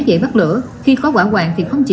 dễ bắt lửa khi có quả hoàng thì không chỉ